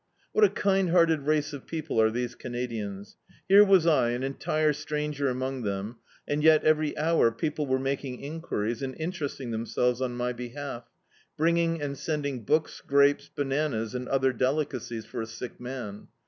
What a kind hearted race of people are these Canadians! Here was I, an entire stanger among them, and yet every hour people were making en quiries, and interesting themselves on my behalf, bringing and sending books, grapes, bananas, and other delicacies for a sick man.